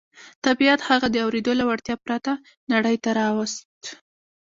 طبيعت هغه د اورېدو له وړتيا پرته نړۍ ته راووست.